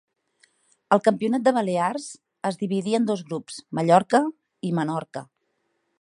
El campionat de Balears es dividí en dos grups, Mallorca i Menorca.